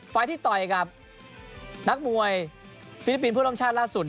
ไฟล์ทที่ต่อยกับนักมวยฟิลิปปินส์เพื่อร่มชาติล่าสุด